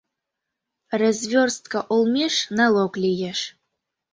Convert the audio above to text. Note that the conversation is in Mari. Развёрстка олмеш налог лиеш.